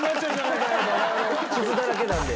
傷だらけなので。